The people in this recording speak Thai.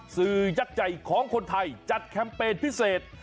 สื่อยักษ์ใจของคนไทยจัดแคมเปญพิเศษ